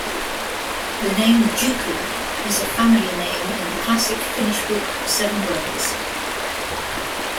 The name Jukola is a family name in the classic Finnish book, "Seven Brothers".